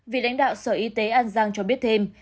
vị lãnh đạo sở y tế an giang cho biết thêm